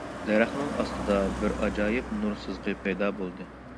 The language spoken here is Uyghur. دەرەخنىڭ ئاستىدا بىر ئاجايىپ نۇر سىزىقى پەيدا بولدى.